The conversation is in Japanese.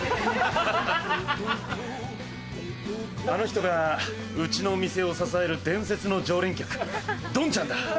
あの人がうちのお店を支える伝説の常連客ドンちゃんだ。